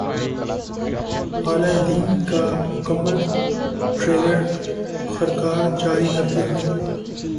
الہ دین کا مکمل ٹریلر خرکار جاری کردیا گیا